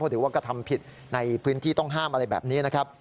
ถือว่ากระทำผิดในพื้นที่ต้องห้ามอะไรแบบนี้นะครับ